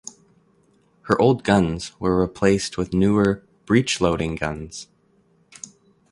Her old guns were replaced with newer breechloading guns.